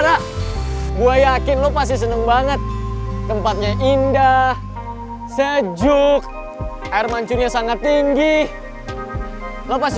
ra gua yakin lo pasti seneng banget tempatnya indah sejuk air mancunnya sangat tinggi lo pasti